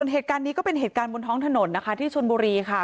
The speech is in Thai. เหตุการณ์นี้ก็เป็นเหตุการณ์บนท้องถนนนะคะที่ชนบุรีค่ะ